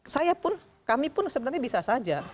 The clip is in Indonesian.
saya pun kami pun sebenarnya bisa saja